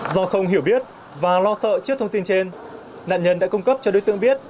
do không hiểu biết và lo sợ trước thông tin trên nạn nhân đã cung cấp cho đối tượng biết